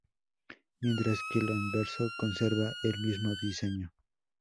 Mientras que el anverso conserva el mismo diseño.